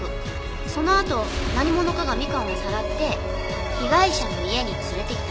そのあと何者かがみかんをさらって被害者の家に連れてきた。